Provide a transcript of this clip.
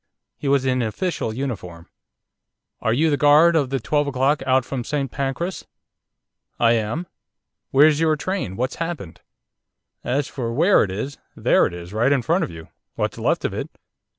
He was in official uniform. 'Are you the guard of the 12.0 out from St Pancras?' 'I am.' 'Where's your train? What's happened?' 'As for where it is, there it is, right in front of you, what's left of it.